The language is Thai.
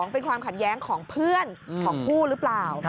เป็นความขัดแย้งของเพื่อนของผู้หรือเปล่า